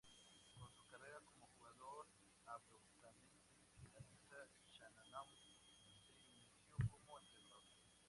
Con su carrera como jugador abruptamente finalizada, Shanahan se inició como entrenador.